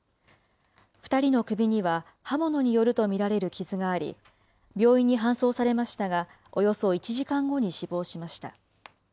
２人の首には、刃物によると見られる傷があり、病院に搬送されましたが、およそ１時間後に死亡しました。